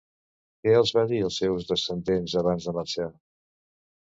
Què els va dir als seus descendents abans de marxar?